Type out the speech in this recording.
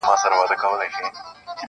خو هر غوږ نه وي لایق د دې خبرو-